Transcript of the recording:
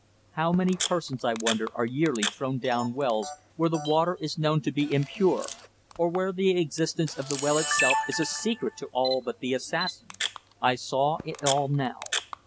How many persons, I wonder, are yearly thrown down wells where the water is known to be impure, or where the existence of the well itself is a secret to all but the assassin? I saw it all now.